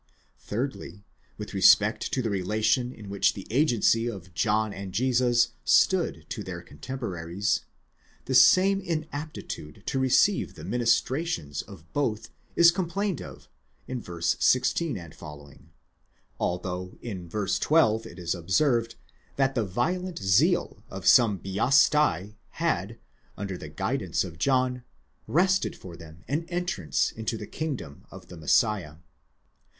Thirdly, with respect to the relation in which the agency of John and Jesus stood to their cotemporaries, the same inaptitude to receive the ministrations of both is complained of v. 16 ff., although inv. 12 it is observed, that the violent zeal of some βιασταὶ had, under the guidance of John, wrested for them an entrance into the kingdom of the Messiah.